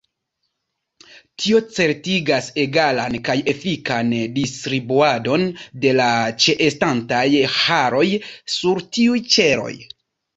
Tio certigas egalan kaj efikan distribuadon de la ĉeestantaj haroj sur tiuj ĉeloj.